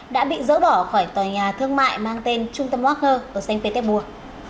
đã bị dỡ bỏ khỏi tòa nhà thương mại mang tên trung tâm wagner ở xanh phế tép bùa